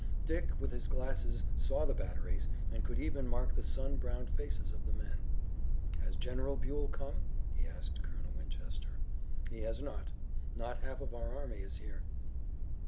Dick, with his glasses, saw the batteries, and could even mark the sun browned faces of the men. "Has General Buell come?" he asked Colonel Winchester. "He has not. Not half of our army is here."